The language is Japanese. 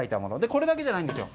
これだけじゃないんですよ。